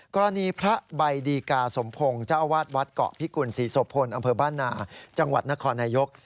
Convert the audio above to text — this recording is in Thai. กรณีพระใบดีกาสมพงศ์เจ้าอาวาสวัดเกาะพิกุลศรีโสพลอำเภอบ้านนาจังหวัดนครนายก